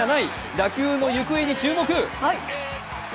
打球の行方に注目。